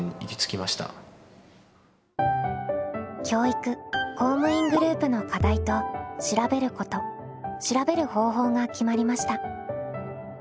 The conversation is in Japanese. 教育・公務員グループの「課題」と「調べること」「調べる方法」が決まりました。